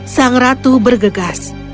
sang ratu bergegas